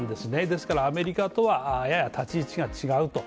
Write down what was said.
ですから、アメリカとはやや立ち位置が違うと。